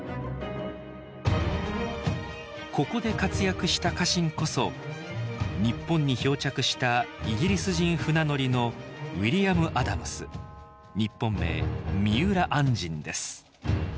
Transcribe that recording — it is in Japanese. ここで活躍した家臣こそ日本に漂着したイギリス人船乗りの日本名三浦按針です。